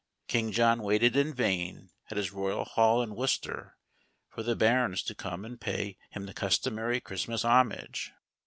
King John waited in vain at his royal hall in Worcester for the barons to come and pay him the customary Christmas homage.